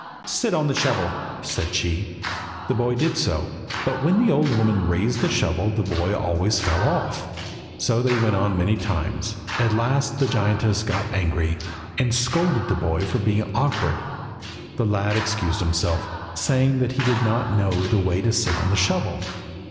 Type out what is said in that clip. "Sit on the shovel," said she. The boy did so, but when the old woman raised the shovel the boy always fell off. So they went on many times. At last the giantess got angry, and scolded the boy for being so awkward; the lad excused himself, saying that he did not know the way to sit on the shovel.